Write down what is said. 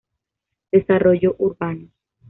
Desarrollo Urbano.